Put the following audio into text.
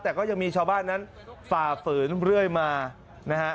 แต่ก็ยังมีชาวบ้านนั้นฝ่าฝืนเรื่อยมานะฮะ